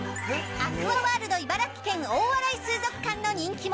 アクアワールド茨城県大洗水族館の人気者